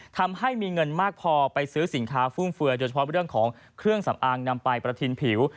ทำให้มีเงินมากพอไปซื้อสินค้าฟุ่มเฟือยโดยเฉพาะเรื่องของเครื่องสำอางนำไปประทินผิว